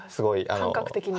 感覚的に。